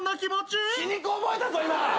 皮肉覚えたぞ今！